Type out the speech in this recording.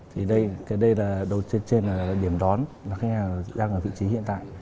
thì đây trên là điểm đón là khách hàng đang ở vị trí hiện tại